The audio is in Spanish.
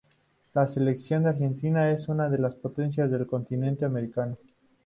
La selección de Argentina es una de las potencias del continente americano.